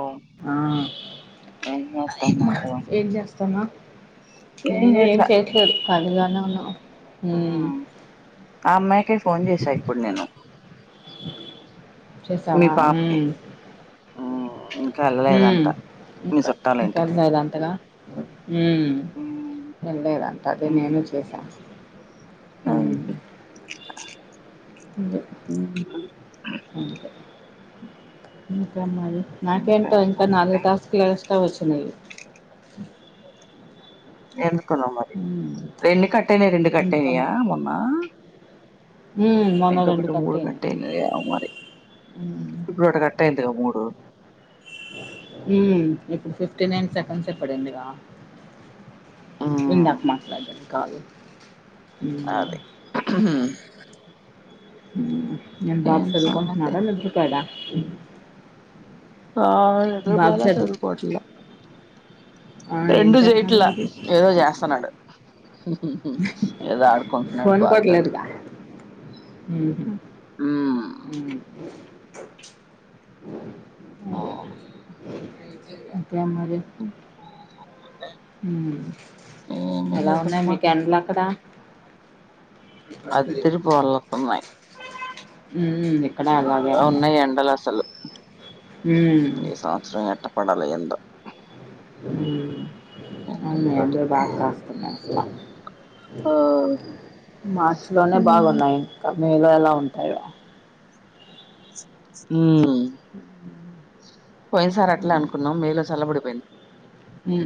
ఓ ఆ ఏం అది మ్మా చేత్తన్నారు ఏం చేస్తున్నావ్ నేను ఏం చేయట్లేదు పదిగానే ఉన్నావ్ ఆ అమ్మాయికి ఫోన్ చేసా ఇప్పుడు నేను చేసావా ఆ ఇంకా ఇంకాది అద అంతగా వెళ్లేదంతా అదే నేను చూసా [unintelligible] ఉండు ఇంకా మరి నాకేంటో ఇంకేం ఇంకా సంగతి నాలుగు టాస్క్ లే తవచునవి ఎందుకున్నా మరి ఎన్ని కట్ అయినాయి రెండు కట్ ఇంకను అయినయా మొన్న ఉమ్ మొన్న అయితే రెండు ఒకటో మూడు అయినాయి కట్ అయినయో మరి ఉమ్ ఇప్పుడు ఒకటి కట్ అయింది మూడు మ్ ఇప్పుడు ఫిఫ్టీ నైన్ సెకండ్స్ ఎప్పుడుందిగా ఇం మ్ నాకు మాట్లాడను కాదు అది మి ఏం బాప్స్ సంగతి చదువుకంటున్నాారా ని దర పొయ డ ఆ నిదరు పోాల చదువుకొట్ల ఆ! ఏం రెండూ చేస్తున్నాడు చేయట్లా మరి? ఏదో చేస్తనాడు ఏదో ఆడుకుంటున్నాడు బాదతొటి ఉహూ ఉ ఆ అంతే మరి ఇంత ఉమ్ఎలా ఉన్నాయి లేదమ్మా మీక ఎండల్ అక్కడ అతిరి పోర్ళతున్నాయి ఉ ఎం ఉన్నాయి ఎండలు అసలు ఉమ్ కొండ లఎందు ఉమ్అవునా యండలు బాగా కాస్తున్నాయి అసలా ఆ మార్చిలోనే మ్మ్ బాగున్నాయి కర్నీీలు ఎలా ఉంటాయి సుమి పోయిన సార్ అట్లే అనుకున్నాం మేలో చల్లబడిపోయింది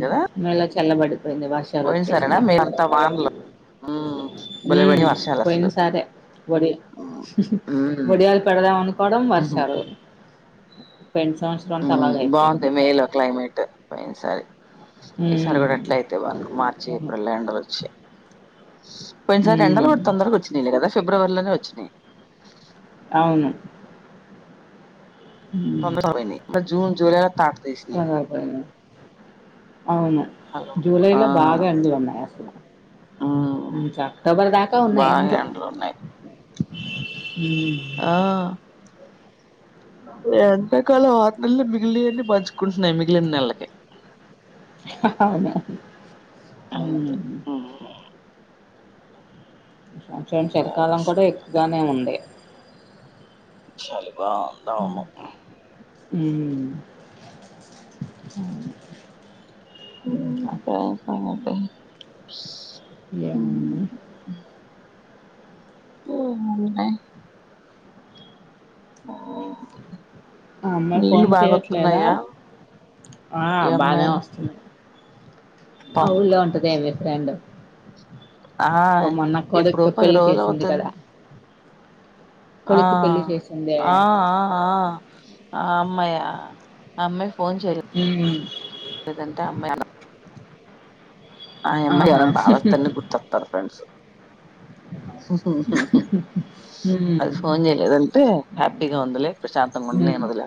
కదా ఉమేలు చల్లబడిపోయింది వర్షాలు పోయినసారేనా వచ్చేస్తేనే మే అంతా వానలు మ్మ్ ఉ భలే పడినాయి వర్షాలు అసలు పోయిను సారే ఒడి మ్మ్ ఒడియాలు పెడదాం అనుకోవడం మ్మ్ వర్షాలు పొయిన సమ సంవత్సరం అంత మ్మ్. అలాగ బాగుంది అయిపోయింది మేలో క్లైమేట్ పోయినసారి ఈసారి కూడా ఉమ్ ఎట్లా అయితే బాను మార్చి అవును ఏప్రిల్ ఎండలు వచ్చాయి కొన్నిసార్ ఉమ్ రెండలు కూడా తొందరకి వచ్చినాయి కదా ఫిబ్రవరిలోనే వచ్చినాయి అవును తొ మ్దదరగ పోయి నిజూన్ జలై త చాల పోయిని అవును హలో ఆ జూలైలో బాగ ఎండలు ఉన్నాయ అసలు ఉమ్ అక్టోబర్ దాక ఉన్నాయి బాగా అందులో ఎండలు ఉన్నాయి ఆ ఎంతకాలం వత్తుంది మిగిలివన్నన్ని పంచుకుంటున్నాయి మిగిలిన నెలలకి అంతే ఉమ్ అహ ంచ చెలికాలం కూడ ఎక్కువగానే ఉండే చలి బాగుందాము ఉమ్ ఇంకా ఇంక సంగతులు ఏమ్ ఉన్నాయి. ఒహో ఉన్నాయి ఓ ఆ అమ్మాయి నీళ్లు ఫోన్ చేయట్లేదా బాగొతున్నాయా ఆ ఏ అమ్మాయి ఆ ఊళ్ళో ఉంటదె ఏ ఫ్రెండ్ ఆ ఇక మొన్న ఎప్పుడో కొడుక్కి పది పెళ్లి రోజులు చేసింది అవుతుంది కదా ఆ కొడుక్కి పెళ్లి చేసిందే అ అ ఆ ఆ అమ్మయ అ అమ్మయ్ ఫోన్ మ్మ్ చెలేదంట అమ్మ ఆ ఆహా అమ్మాయిగాని బావస్తాని గుర్తొస్తారు ఫ్రెండ్స్ మ్మ్ అది ఫోన్ చేయలేదంటే హ్యాపీగా ఉందలే ప్రశాంతంగా ఉండలే మ్మ్ వదిలే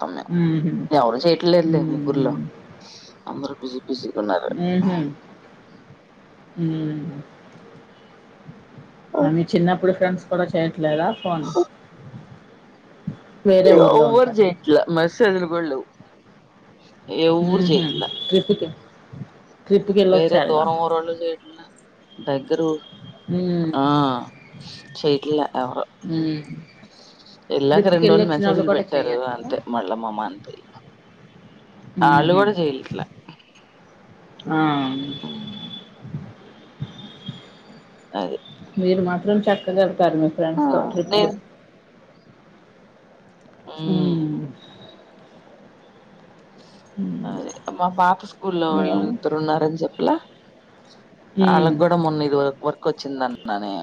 సమ్ మ్మ్హ్ ఎర చేయట్ల ముగ్గురిలో మ్మ్ అ అందరూ బిజీ బిజీ అహ ఆ మీ చిన్నప్పుడు ఫ్రెండ్స్ కూడా చేయట్లేరా ఫోన్ వేరే ఇదిగో ఊర్లో ఎవరు ఉంటారు చేయట్లే మెసేజ్ లు కూడా లేవు ఎవ్వరు చేయట్లే ట్రిఫిక వేరే దూరం ఊరళ్ళు చేయట్న్న దగ్గర ఆ చేట్ల అ ఇలాక రెండు రోజులు మెసేజ్లు పెట్టారు అంతే మళ్ళమ్మమ్మ అంతే హ ఆ అ హ్మ్ అదే మీరు మాత్రం చక్కగలుగుతారు మీ ఫ్రెండ్స్తో ట్రిప్పులు నేను అ మ్ అద మా పాప స్కూ లో మేము వాళ్ళు ఇద్దరు ఉన్నారని చెప్పలా ఉమ్, వాళ్ళకు కూడా మొన్న ఇదు వరకు వచ్చిందన్నానే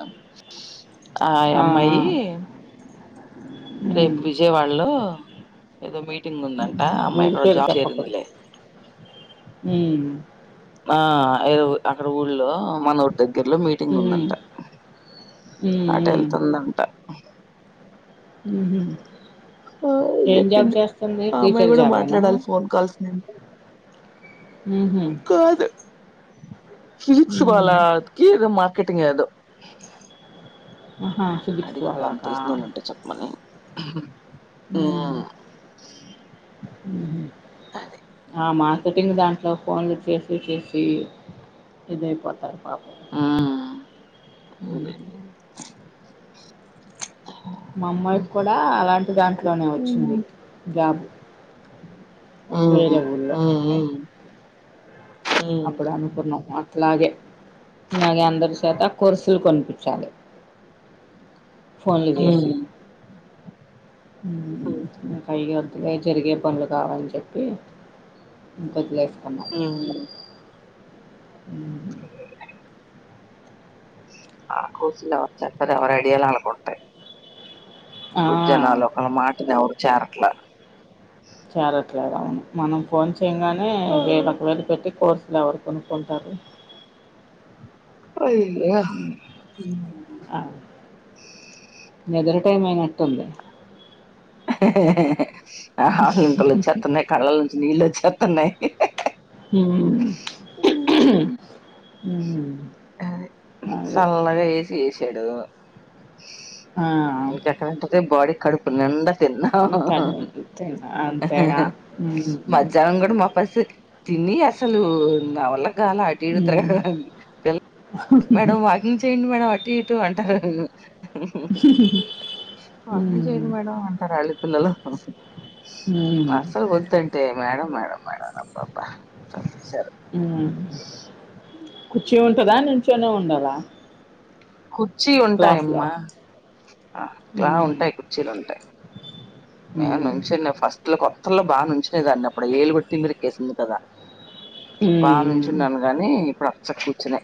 ఆ యమ్మాయి ఉమ్, రేపు విజయవాడలో ఏదో మీటింగ్ ఉందంట అమ్మాయి ఇక్కడ జాబ్ చేరిందిలే అ ఆ అ అక్కడ ఊళ్ లో మన రి దగ్గర్లో మీటింగ్ ఉమ్, ఉందంట ఉమ్, అట వెళ్తుందంట ఆ హ ఆ చెప్పింది ఆ అమ్మాయి టీచర్ కూడా జాబేనా మాట్లాడాలి ఫోన్ కాల్స్ నేను ఉహుం, కాద ఫజసుకోాల ఉమ్, మా కటింగ ఏదో ఆహా ఫిజిక్స్ అడిగింది వాాని వాళ్ళకా తెలిసిన వాళ్ళు అంటే చెప్పమని ఆ ఆమ సటింగ్ దాంట్లో ఫోన్లు చేసి చేసి ఇద అయిపోతారు పు మ్మ్ అదే మా అమ్మాయికి కూడా అలాంటి దాంట్లోనే వచ్చింది మ్మ్ జాబ్ ఆ వేరే ఊళ్ళో ఆ అప్పుడనుకు ఆ అలాగే అలాగే అందరి చేత కొర్సులు కొనిపించాలి ఫోన్లు చేసి మ్మ్ కైగా అలాగే జరిగే పనులు కావాలని చెప్పి ఇంకొదిలే హ క ఆ కోస వర చార అర అడిాల ఆలా కొంటే ఆ ఇప్పుడు జనా లో ఒకల మాటనివరు చేరట్లా చేరట్లేదు అవును మనం ఫోన్ చేయగానే ఆ, వేర ఒకవేళ పెట్టి కోర్ ఇలా ఎవరు కొనుక్కుంటారు అయింద ఆ నిద్ర టైం అయినట్టుంది ఆ హంతలో వ చేతున్నాయి కళ్ళాల నుంచి నీళ్ళ వ చేతున్నాయి ఉ అది చల్లగా ఏసీ ఏచి చెడు ఆ ఇంకెక్కంట బాడీ కడుపునిండా తిన్నా అంతేగా ఉమ్ మధ్యాహ్నం కూడా మా పస్ తిని అసలు నావల్ల కాలే అటు ఇటు తర ఉమ్ పిల్ల మేడం వాకింగ్ చేయండి మేడం అటు ఇటు అంటారు వాకింగ్ ఉమ్ చేయడి మేడం అంటారు పిల్లలు ఉమ్ అసలు వతుంటే మేడం మేడం [unintelligible] కుర్చీ ఉంటదా నించోనే ఉండలా కుర్చీ ఉంటాయమ్మా ఇలా మ్మ్హ. ఉంటాయి కుర్చీలు ఉంటాయి నేను మ్మ్. నుంచి ఫస్ట్ లో కొత్తల్లో బాగా నుంచినయిదాన్ని అప్పుడు ఏలు కొట్టి మీర ఎక్కేసింది కదా మ్మ్. బాగానుంచిున్నాను కాగానీ ఇప్పుడు అసల కూర్చునే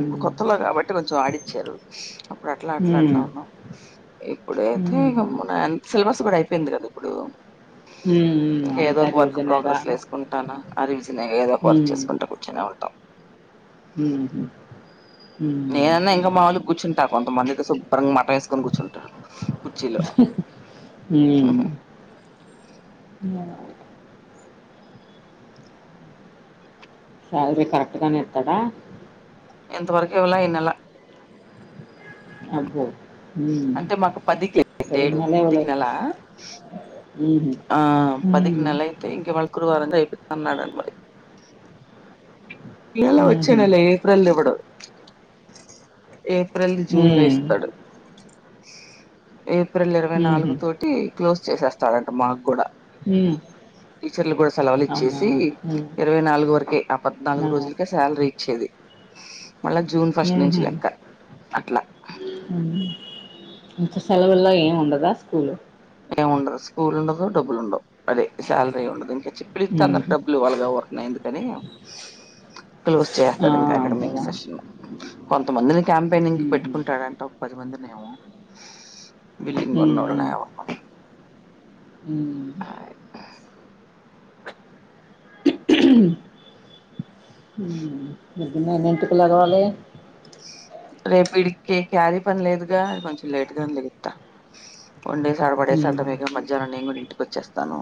అప్పుడు కొత్తలో కాబట్టి కొంచెం ఆడిచ్చారు అప్పుడు అట్లా అట్లా మ్మ్. అట్లా ఉన్నాం ఇప్పుడయితే మ్మ్. మన ఎంన్ సెలబ్రేస్ కూడా అయిపోయింది కదా ఇప్పుడు ఉ ఇంక ఏదో ఒక వర్క్ ప్రోగ్రెస్ లో వేసుకుంటాను ఆ రివిజన్ ఏదో ఒక వర్క్ మ్మ్. చేసుకుంటా కూర్చొనే ఉంటాం మ్మ్. మ్మ్. ఏనున్న ఎంగమ్ మాలు కూచుని కొంత మంది శుభ్రంగా మ వేసుకొని కూర్చుంటారు కుర్చీలో ఉ శాలరీ కరెక్ట్ గానే ఇస్తాడా ఇంతవరకు ఇవ్వలా ఈ నెల అబ్బో మ్మ్. అంటే మాకు పదికి లే పోయిన ఏడు నెల పదికి ఇవ్వలేదు నెల మ్మ్. ఆ పదికి మ్మ్. నలైతే ఇం మళ్కురువారంగాయిపోత నాన్ మురి ఇ మ్మ్. వచ్చేనల ఏప్రిల్ ఇడ ఏప్రిల్ జూన్ లో మ్మ్. ఇస్తాడు ఏ ఏప్రిల్ ఇరవై నాలుగు మ్మ్. తోటి క్లోజ్ చేసేస్తాడంట మాకు కూడా మ్మ్. టీచర్లు కూడా సెలవులు అవునా ఇచ్చేసి మ్మ్. ఇరవై నాలుగు వరకే ఆ పద్నాలుగు మ్మ్. రోజులకే శాలరీ ఇచ్చేది మళ్ళా జూన్ ఫస్ట్ నుంచి మ్మ్. లెక్క అట్లా ఇగా సెలవుల్లో ఏమి ఉండదా స్కూల్ ఏముండరు స్కూల్ ఉండదు డబ్బులు ఉండవు అదే సాలరీ ఉండదు చెప్పిలిస్తతే అందరు ఉహు డబ్బులు ఇవాళగా వడుతున్నాయి ఎందుకని క్లోజ్ ఆ చేస్తాడు ఇంకా అక్కడ మీక్ ఉంటదా సెషన్ కొంతమందిని క్యాంపెయినింగ్ క ఉహు పెట్టుకుంటాడంట ఒక పది మంది బిల్ంగ్డుగావ ఉహ్ [unintelligible] రేపు ఇడికి క్యారీ పని లేదుగా అది కొంచెం లేట్గా లేత వండేసార్ పడేసార్ ఉమ్ మీక మధ్యాహ్నం నేను కూడా ఇంటికి వచ్చేస్తాను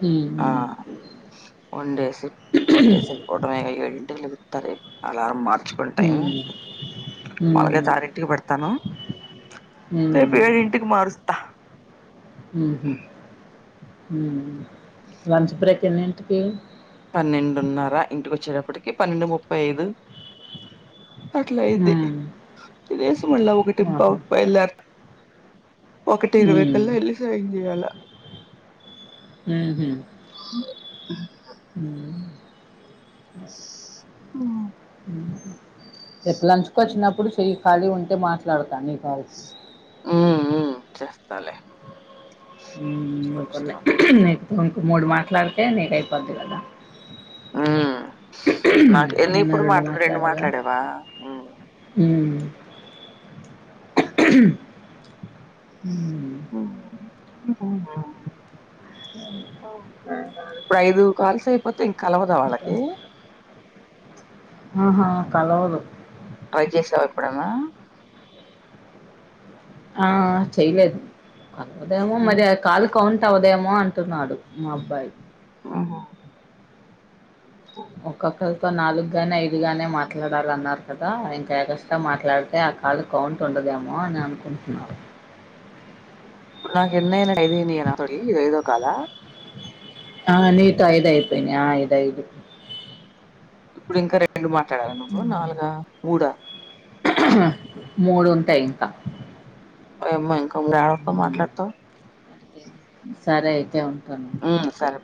హు ఆ వన్ డేస్న్ డస్ [unintelligible] ఏ సరే అలా మాట్లాడ ఫుల్ టైం ఉమ్ వాళ్లకి ఉమ్ తారీకు పెడతాను ఉమ్ రేపే ఇంటికి మారుస్తా ఉహు ఉ లంచ్ బ్రేక్ ఎన్నింటికి ఇప్పటికి పన్నెండు ముప్పై ఐదు అట్లాయితే ఉమ్ రేపు మలా ఒక టటింపా ఆహా ఉప్ప ఎళ్లర్థ ఒకటి ఇరవై ఉమ్ కల్లా వెళ్ళి రిలీజ్ అయింది ఈయాల ఉహు ఉమ్ ఓ రేపు లంచ్కి వచ్చినప్పుడు చె ఖాళీ ఉంటే మాట్లాడతా ని కాల్స్, ఉ ఉ చేస్తాలే ఉమ్ వచ్చినప్పుడు నీకు ఇం మూడు మాట్లాడితే నీకు అయిపోద్ది కదా, ఉ నాకు ఎన్ని నిన్న ఇప్పుడు మాట్లా రెండు మాట్లాడగా మాట్లాడేవా, ఉమ్, [unintelligible] [unintelligible] కే ఇప్పుడు ఐదు కాల్స్ అయిపోతే ఇంకా కలవదా వాళ్ళకి, ఆహా కలవదు ట్రై చేసావా ఎప్పుడన్నా ఆ చేయలేదు కాకపోతేమో మరి ఆ కాలు కౌ కౌట్ అవదేమో అంటున్నాడు, మా అబ్బాయి ఉహు ఒక్కొక్క ఇంకో నాలుగుగానే ఐదు గానే మాట్లాడాలన్నారు కదా ఇంకా ఎగస్ట్రా మాట్లాడితే ఆ కాల్ కౌంట్ ఉండదు. దేమో అని అనుకుంటున్నారు. ఇప్పుడు నాకు ఎన్ని అయ్యి నాతోటి ఇప్పుడు ఐదో కాల ఆ నీతో ఐదాయిపోయినా ఆ ఐదయిదు, ఇప్పుడు ఇంకా రెండు మాట్లాడాల నువ్వు నాలుగ, మూడా మూడు ఉంటాయి. ఇంకా వయమో ఇంకా మూడు ఎవరితో ఉమ్, మాట్లాడతవ్, సరే అయితే ఉంటాను, సరే బాయ్